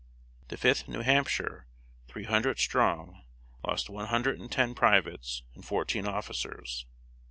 The Fifth New Hampshire, three hundred strong, lost one hundred and ten privates and fourteen officers.